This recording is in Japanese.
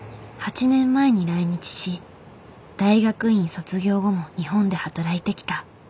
８年前に来日し大学院卒業後も日本で働いてきた。